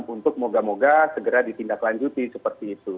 untuk moga moga segera ditindaklanjuti seperti itu